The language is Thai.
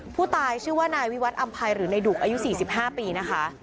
ผู้ตายชื่อว่านายวิวัตรอำภัยหรือในดุอายุ๔๕ปีนะคะ